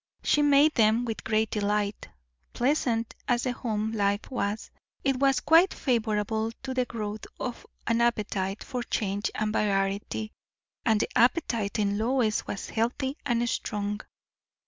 She made them with great delight. Pleasant as the home life was, it was quite favourable to the growth of an appetite for change and variety; and the appetite in Lois was healthy and strong.